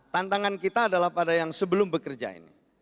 tantangan kita adalah pada yang sebelum bekerja ini